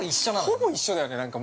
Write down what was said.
◆ほぼ一緒だよね、なんか。